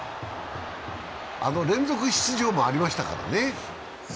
連続出場もありましたからね。